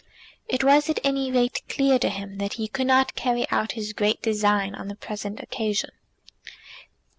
It was at any rate clear to him that he could not carry out his great design on the present occasion.